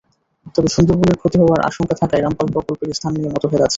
তবে সুন্দরবনের ক্ষতি হওয়ার আশঙ্কা থাকায় রামপাল প্রকল্পের স্থান নিয়ে মতভেদ আছে।